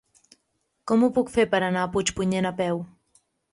Com ho puc fer per anar a Puigpunyent a peu?